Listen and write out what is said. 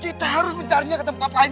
kita harus mencari mereka ke tempat lain